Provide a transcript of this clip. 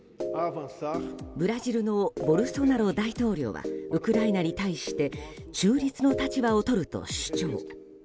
ブラジルのボルソナロ大統領はウクライナに対して中立の立場をとると主張。